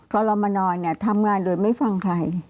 ก่อนเรามานอนทำงานโดยไม่ฟังใคร